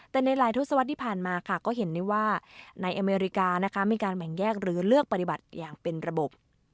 แต่ในหลายทศวรรษที่ผ่านมาค่ะก็เห็นได้ว่าในอเมริกานะคะมีการแบ่งแยกหรือเลือกปฏิบัติอย่างเป็นระบบ